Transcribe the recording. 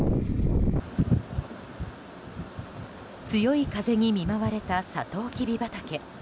強い風に見舞われたサトウキビ畑。